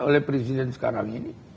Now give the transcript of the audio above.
oleh presiden sekarang ini